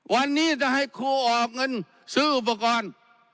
วันนี้จะให้ครูออกเงินซื้ออุปกรณ์